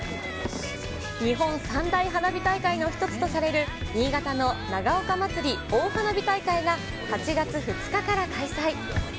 日本三大花火大会の一つとされる、新潟の長岡まつり大花火大会が８月２日から開催。